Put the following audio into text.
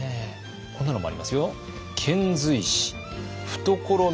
こんなのもありますよ。